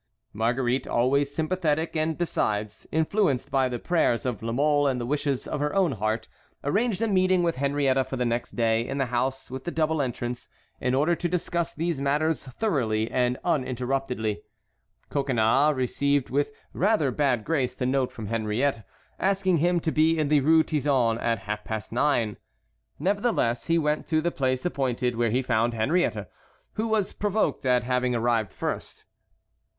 Marguerite, always sympathetic and, besides, influenced by the prayers of La Mole and the wishes of her own heart, arranged a meeting with Henriette for the next day in the house with the double entrance, in order to discuss these matters thoroughly and uninterruptedly. Coconnas received with rather bad grace the note from Henriette, asking him to be in the Rue Tizon at half past nine. Nevertheless he went to the place appointed, where he found Henriette, who was provoked at having arrived first.